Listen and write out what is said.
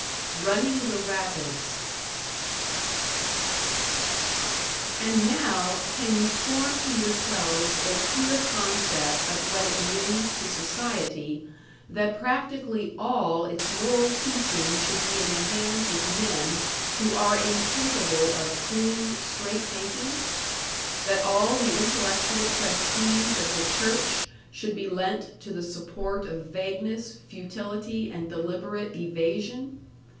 #Running the Rapids# And now, can you form to yourselves a clear concept of what it means to society that practically all its moral teaching should be in the hands of men who are incapable of clean, straight thinking? That all the intellectual prestige of the Church should be lent to the support of vagueness, futility, and deliberate evasion?